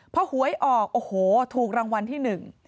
เพราะหวยออกโอ้โหถูกรางวัลที่๑